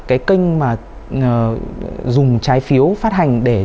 cái kênh mà dùng trái phiếu phát hành